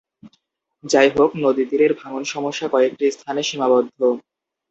যাইহোক, নদী তীরের ভাঙ্গন সমস্যা কয়েকটি স্থানে সীমাবদ্ধ।